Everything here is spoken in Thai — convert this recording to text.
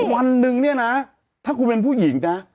วันหนึ่งเนี่ยนะถ้าคุณเป็นผู้หญิงนะ